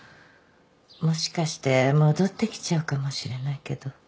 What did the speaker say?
もしかして戻ってきちゃうかもしれないけど。